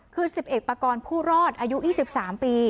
คือ๑๑ปากรผู้รอดอายุ๒๓ปี